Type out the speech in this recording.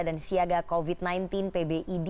dan siaga covid sembilan belas pbid